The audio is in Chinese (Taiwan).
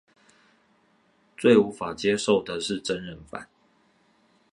最無法接受的是真人版